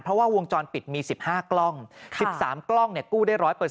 เพราะว่าวงจรปิดมี๑๕กล้อง๑๓กล้องกู้ได้๑๐๐